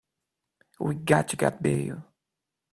We've got to get bail.